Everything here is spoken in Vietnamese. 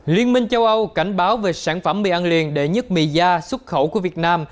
liên minh châu âu cảnh báo về sản phẩm mì ăn liền đệ nhất mì gia xuất khẩu của việt nam